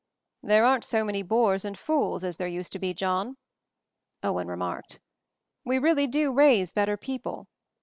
,, "There aren't so many bores and fools as there used to be, John," Owen remarked. "We really do raise better people.